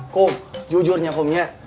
kom jujurnya komnya